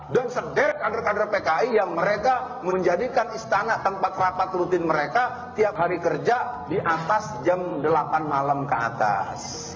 dan sederhana kader kader pki yang mereka menjadikan istana tanpa kelapa telutin mereka tiap hari kerja di atas jam delapan malam ke atas